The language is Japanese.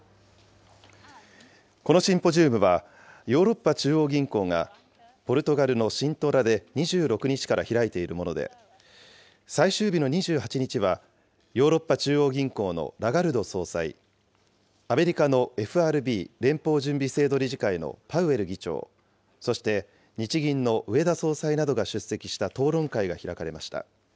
このシンポジウムは、ヨーロッパ中央銀行がポルトガルのシントラで２６日から開いているもので、最終日の２８日は、ヨーロッパ中央銀行のラガルド総裁、アメリカのＦＲＢ・連邦準備制度理事会のパウエル議長、そして日銀の植田総裁などが出席した討論会が開かれました。